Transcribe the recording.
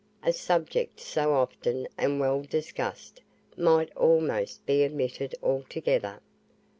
A subject so often and well discussed might almost be omitted altogether.